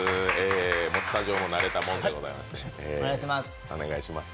もうスタジオも慣れたもんでございまして、お願いします。